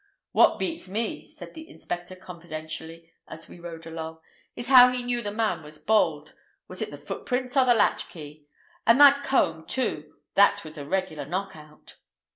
"What beats me," said the inspector confidentially, as we rode along, "is how he knew the man was bald. Was it the footprints or the latchkey? And that comb, too, that was a regular knock out."